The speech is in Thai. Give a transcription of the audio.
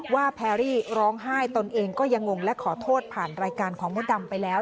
แพรรี่ร้องไห้ตนเองก็ยังงงและขอโทษผ่านรายการของมดดำไปแล้ว